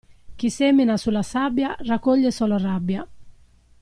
Chi semina sulla sabbia raccoglie solo rabbia.